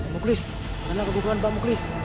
pak muklis mana keguguran pak muklis